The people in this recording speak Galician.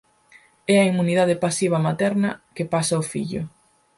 É a inmunidade pasiva materna que pasa ao fillo.